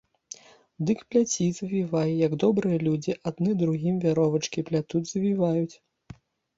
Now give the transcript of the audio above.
Дык пляці, завівай, як добрыя людзі адны другім вяровачкі плятуць, завіваюць!